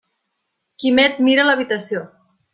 Quimet mira l'habitació.